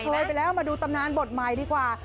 เคยไปแล้วมาดูตำนานบทใหม่ดีกว่า